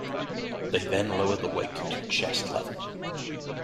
They then lower the weight to chest level.